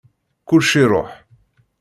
Kullec iṛuḥ.